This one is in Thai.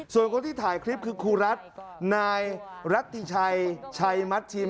ส่วนคนที่ถ่ายคลิปคือครูรัฐนายรัตติชัยชัยมัชชิม